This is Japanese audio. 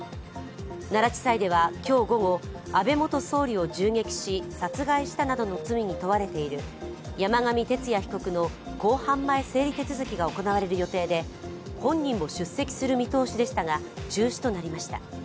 奈良地裁では、今日午後安倍元総理を銃撃し殺害したなどの罪に問われている山上徹也被告の公判前整理手続きが行われる予定で本人も出席する見通しでしたが中止となりました。